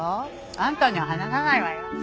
あんたには話さないわよ。